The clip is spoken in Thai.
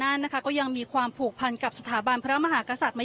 นั่นนะคะก็ยังมีความผูกพันกับสถาบันพระมหากษัตริย์มา